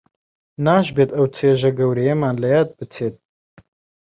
ناشبێت ئەو چێژە گەورەیەمان لە یاد بچێت